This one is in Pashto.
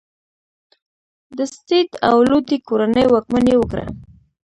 د سید او لودي کورنۍ واکمني وکړه.